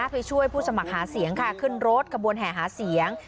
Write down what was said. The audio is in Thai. ไปช่วยผู้สมัครหาเสียงค่ะขึ้นรถขบวนแห่หาเสียง